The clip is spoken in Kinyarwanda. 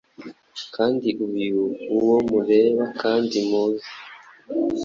Kandi uyu, uwo mureba kandi muzi,